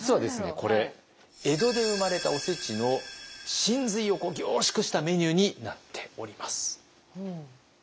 これ江戸で生まれたおせちの神髄を凝縮したメニューになっております。